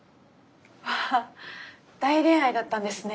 わあ大恋愛だったんですね。